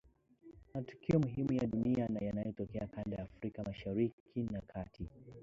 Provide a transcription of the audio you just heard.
matukio muhimu ya dunia na yanayotokea kanda ya Afrika Mashariki na Kati